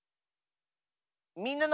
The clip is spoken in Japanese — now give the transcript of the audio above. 「みんなの」。